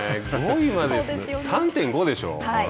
５位まで３．５でしょう？